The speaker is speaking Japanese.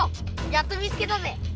やっと見つけたぜ。